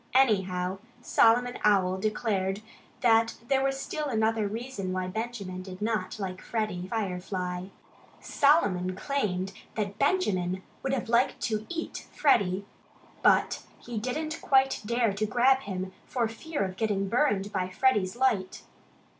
Anyhow, Solomon Owl declared that there was still another reason why Benjamin did not like Freddie Firefly. Solomon claimed that Benjamin would have liked to EAT Freddie. But he didn't quite dare to grab him for fear of getting burned by Freddie's light.